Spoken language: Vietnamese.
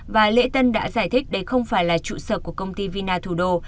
và lễ tân đã giải thích đây không phải là trụ sở của công ty vina thủ đô